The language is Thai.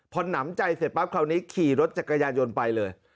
พอหนำใจเสร็จปั๊บคราวนี้ขี่รถจักรยานยนต์ไปเลย